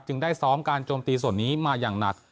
ได้ซ้อมการโจมตีส่วนนี้มาอย่างหนัก